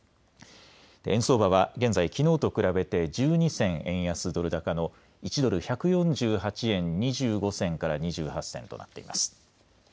円相場は現在きのうと比べて１２銭円安ドル高の１ドル１４８円２５銭から２８銭となっています。